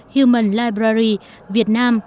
human library việt nam